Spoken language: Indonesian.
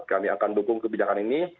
kami akan dukung kebijakan ini